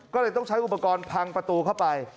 ก็เลยต้องใช้อุปกรณ์พังประตูเข้าไป